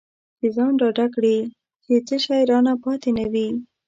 چې ځان ډاډه کړي چې څه شی رانه پاتې نه وي.